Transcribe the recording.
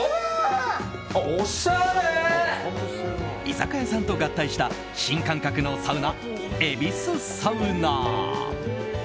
居酒屋さんと合体した新感覚のサウナ、恵比寿サウナー。